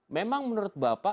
memang menurut bapak